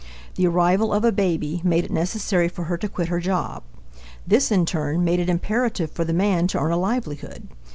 The arrival of a baby made it necessary for her to quit her job. This, in turn, made it imperative for the man to earn a livelihood.